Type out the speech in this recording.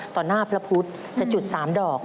หน้าพระพุทธจะจุด๓ดอก